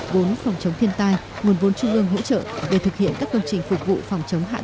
bốn phòng chống thiên tai nguồn vốn trung ương hỗ trợ để thực hiện các công trình phục vụ phòng chống hạn